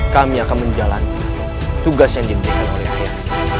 kami akan menjalankan tugas yang diberikan oleh rakyat